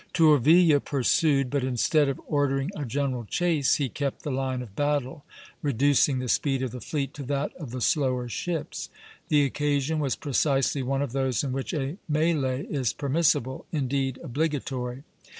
Tourville pursued; but instead of ordering a general chase, he kept the line of battle, reducing the speed of the fleet to that of the slower ships. The occasion was precisely one of those in which a mêlée is permissible, indeed, obligatory.